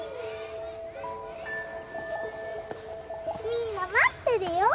みんな待ってるよ。